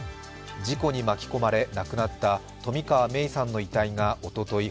事故に巻き込まれ亡くなった冨川芽生さんの遺体がおととい